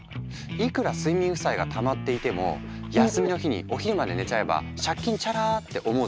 「いくら睡眠負債がたまっていても休みの日にお昼まで寝ちゃえば借金チャラ」って思うでしょ？